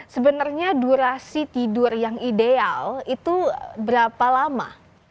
sebenarnya durasi tidur yang ideal itu berapa lama